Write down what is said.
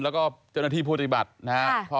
แล้วก็เจ้าหน้าที่ผู้ปฏิบัตินะครับ